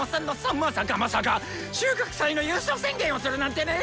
まさかまさか収穫祭の優勝宣言をするなんてね！